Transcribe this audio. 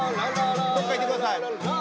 どっか行ってください。